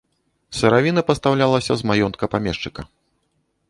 Сыравіна пастаўлялася з маёнтка памешчыка.